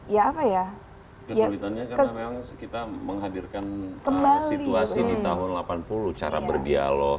ya apa ya ya muthunya karena memang kita menghadirkan kembali situasi tahun delapan puluh cara berdialog